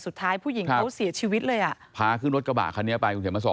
สุดท้ายผู้หญิงเขาเสียชีวิตเลยนะ